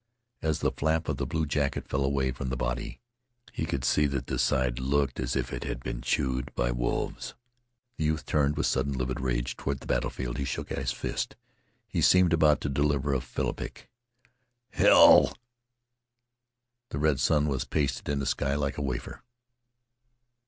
As the flap of the blue jacket fell away from the body, he could see that the side looked as if it had been chewed by wolves. The youth turned, with sudden, livid rage, toward the battlefield. He shook his fist. He seemed about to deliver a philippic. "Hell " The red sun was pasted in the sky like a wafer.